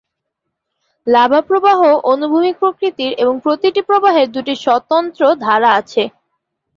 Lava প্রবাহ অনুভূমিক প্রকৃতির এবং প্রতিটি প্রবাহের দুটি স্বতন্ত্র ধারা আছে।